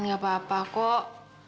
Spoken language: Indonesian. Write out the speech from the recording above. tidak apa apa kok